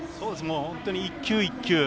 本当に一球一球